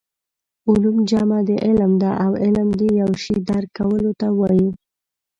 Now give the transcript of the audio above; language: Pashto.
علوم جمع د علم ده او علم د یو شي درک کولو ته وايي